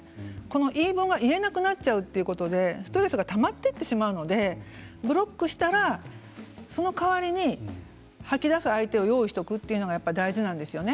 言い分が言えなくなっちゃうということでストレスがたまっていってしまうのでブロックしたらその代わりに吐き出す相手を用意しておくというのが大事なんですよね。